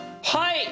はい！